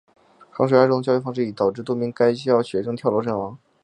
衡水二中的教育方式已导致多名该校学生跳楼身亡。